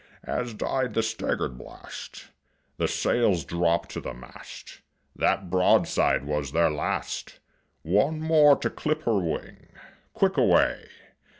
As died the stagger'd blast The sails dropt to the mast; That broadside was their last! One more to clip her wing! Quick away!